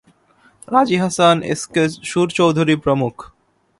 রাজি Hasan, S K Sur Chowdhury প্রমুখ।